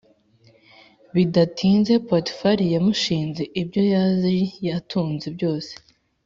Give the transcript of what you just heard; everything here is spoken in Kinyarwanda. Bidatinze potifari yamushinze ibyo yari atunze byose